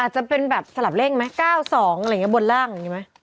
อาจจะเป็นแบบสลับเล่งไหมเก้าสองอะไรอย่างเงี้ยบนล่างอยู่ไหม